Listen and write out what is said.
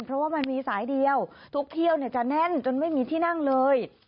เพราะว่ามันมีสายเดียวทุกเที่ยวจะแน่นจนไม่มีที่นั่งเลย